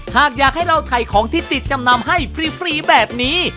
หากอยากให้เราถ่ายของที่ติดจำนำให้ฟรีแบบนี้